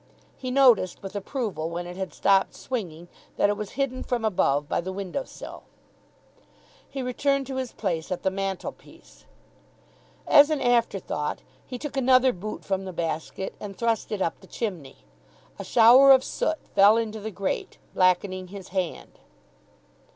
He noticed with approval, when it had stopped swinging, that it was hidden from above by the window sill. He returned to his place at the mantelpiece. As an after thought he took another boot from the basket, and thrust it up the chimney. A shower of soot fell into the grate, blackening his hand.